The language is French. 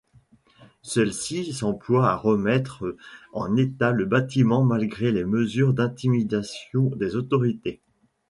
Celle-ci s’emploie à remettre en état le bâtiment malgré les mesures d’intimidation des autorités.